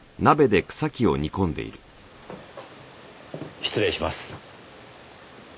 失礼します。